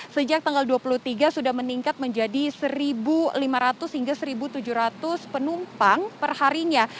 sejak tanggal dua puluh tiga sudah meningkat menjadi satu lima ratus hingga satu tujuh ratus penumpang perharinya